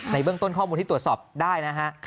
เบื้องต้นข้อมูลที่ตรวจสอบได้นะฮะ